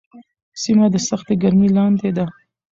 سیمه د سختې ګرمۍ لاندې ده.